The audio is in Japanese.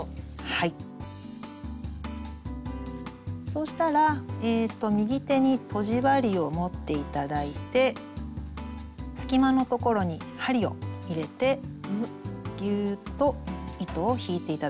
そしたら右手にとじ針を持って頂いて隙間のところに針を入れてギューッと糸を引いて頂きます。